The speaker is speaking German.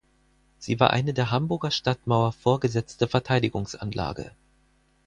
Sie war eine der Hamburger Stadtmauer vorgesetzte Verteidigungsanlage.